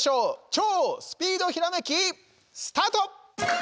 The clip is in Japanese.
超スピードひらめき、スタート！